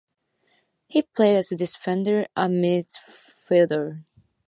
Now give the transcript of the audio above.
He played as defender or midfielder.